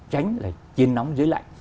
tránh là chiên nóng dưới lạnh